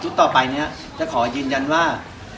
ชุดต่อไปจะขอยืนยันว่า